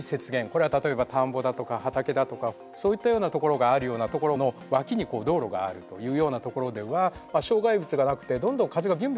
これは例えば田んぼだとか畑だとかそういったような所があるようなとこの脇にこう道路があるというような所では障害物がなくてどんどん風がビュンビュン吹き抜ける。